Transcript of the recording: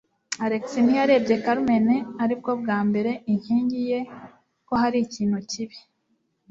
Alex ntiyarebye Carmen, aribwo bwa mbere inkingi ye ko hari ikintu kibi.